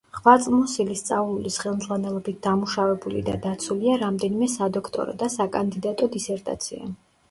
ღვაწლმოსილი სწავლულის ხელმძღვანელობით დამუშავებული და დაცულია რამდენიმე სადოქტორო და საკანდიდატო დისერტაცია.